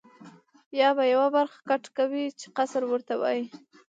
یا به یوه برخه کټ کوې چې قصر ورته وایي.